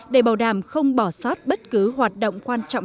để bảo đảm không bỏ sót bất cứ hoạt động